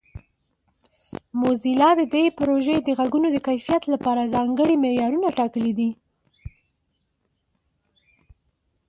موزیلا د دې پروژې د غږونو د کیفیت لپاره ځانګړي معیارونه ټاکلي دي.